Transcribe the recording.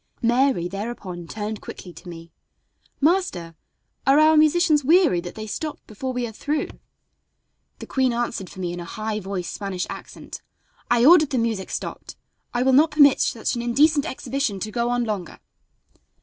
Mary thereupon turned quickly to me: "Master, are our musicians weary that they stop before we are through?" The queen answered for me in a high voiced Spanish accent: "I ordered the music stopped; I will not permit such an indecent exhibition to go on longer."